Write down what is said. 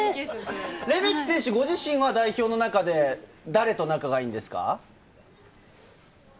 レメキ選手ご自身は、代表の中で誰と仲がいいんですか？